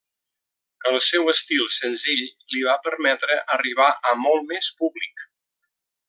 El seu estil senzill li va permetre arribar a molt més públic.